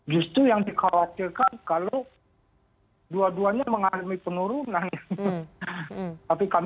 justru yang dikhawatirkan kalau dua duanya mengalami penurunan